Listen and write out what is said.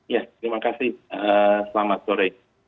ya terima kasih selamat sore